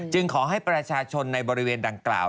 ขอให้ประชาชนในบริเวณดังกล่าว